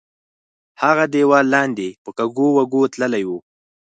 هغه دیوال لاندې په کږو وږو تللی وو.